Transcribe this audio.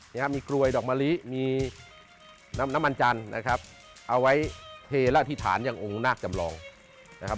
ครับมีกลวยดอกมะลิมีน้ำน้ำมันจันทร์นะครับเอาไว้เทระอธิษฐานอย่างองค์นาคจำลองนะครับ